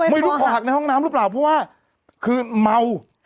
ไม่รู้คอหักในห้องน้ำหรือเปล่าเพราะว่าคือเมา